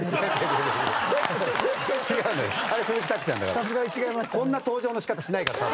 さすがに違いましたね。